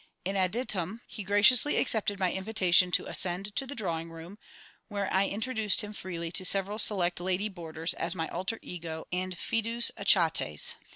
In additum, he graciously accepted my invitation to ascend to the drawing room, where I introduced him freely to several select lady boarders as my alter ego and Fidus Achates.